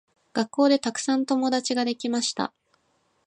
学校でたくさん友達ができました。